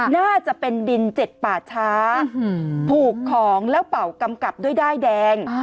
น่าจะเป็นดินเจ็ดป่าช้าผูกของแล้วเป่ากำกับด้วยด้ายแดง